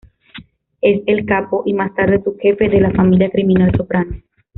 Es el "Capo", y más tarde subjefe, de la familia criminal Soprano.